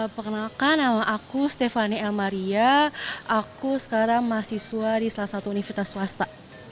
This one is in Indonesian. perkenalkan nama aku stefani elmaria aku sekarang mahasiswa di salah satu universitas swasta